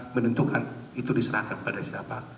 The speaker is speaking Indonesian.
menentukan itu diserahkan pada siapa